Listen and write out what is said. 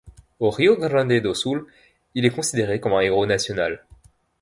Au Rio Grande do Sul, il est considéré comme un héros national.